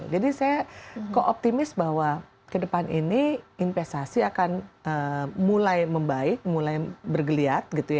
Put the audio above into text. jadi saya kok optimis bahwa ke depan ini investasi akan mulai membaik mulai bergeliat gitu ya